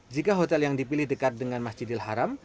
jika hotel yang dipilih dekat dengan masjidil haram